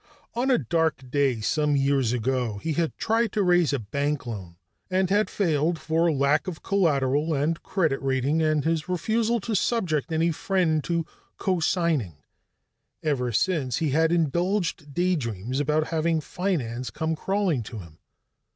On a dark day some years ago, he had tried to raise a bank loan and had failed for lack of collateral and credit rating and his refusal to subject any friend to co signing. Ever since, he had indulged daydreams about having finance come crawling to him.